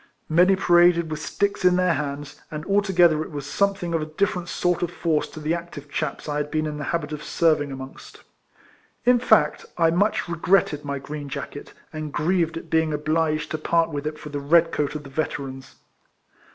Many paraded with sticks in their hands, and altogether it was something of a different sort of force to the active chaps I had been in the habit of servin"" araono st. In fact, I much re2:retted my green jacket, and grieved at being obliged to part with it for the red coat of the Veterans.